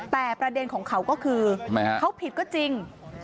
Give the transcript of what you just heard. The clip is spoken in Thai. แต่ประเด็นของเขาก็คือเขาผิดก็จริง